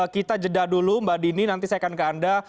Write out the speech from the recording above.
kita jeda dulu mbak dini nanti saya akan ke anda